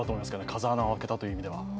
風穴を開けたという意味では。